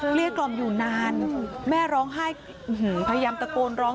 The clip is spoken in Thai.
เรียกกล่อมอยู่นานแม่ร้องไห้พยายามตะโกนร้อง